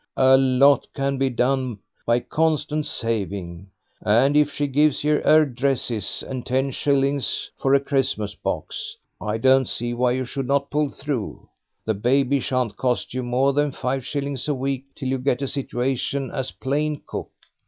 "A lot can be done by constant saving, and if she gives yer 'er dresses and ten shillings for a Christmas box, I don't see why you should not pull through. The baby shan't cost you more than five shillings a week till you get a situation as plain cook.